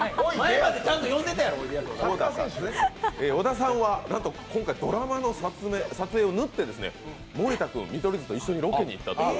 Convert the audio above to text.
小田さんはなんと今回、ドラマの撮影を縫ってですね、森田君、見取り図と一緒にロケに行ったという。